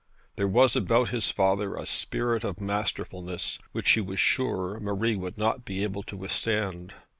There was about his father a spirit of masterfulness, which he was sure Marie would not be able to withstand.